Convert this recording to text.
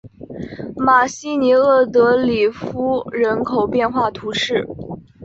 马西尼厄德里夫人口变化图示